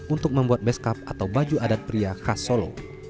untuk membuat beskap atau baju adat pria khas solo